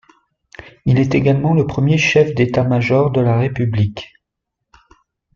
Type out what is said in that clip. Il est également le premier chef d'état-major de la république.